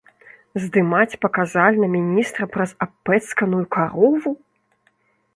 Здымаць паказальна міністра праз абпэцканую карову?!